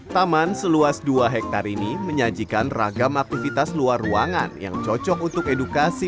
taman seluas dua hektare ini menyajikan ragam aktivitas luar ruangan yang cocok untuk edukasi